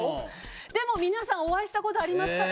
でも皆さんお会いした事ありますから。